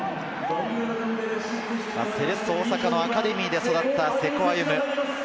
セレッソ大阪のアカデミーで育った瀬古歩夢。